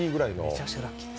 めちゃくちゃラッキーです。